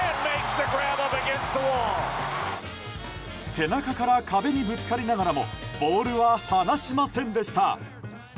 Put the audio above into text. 背中から壁にぶつかりながらもボールは離しませんでした。